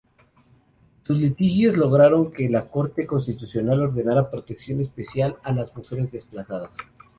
Sus litigios lograron que la Corte Constitucional ordenara protección especial a las mujeres desplazadas.